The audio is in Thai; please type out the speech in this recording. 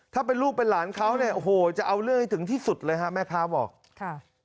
ถ้าเป็นลูกเป็นหลานเขาเนี่ยโอ้โหจะเอาเรื่องให้ถึงที่สุดเลยฮะแม่ค้าบอกค่ะ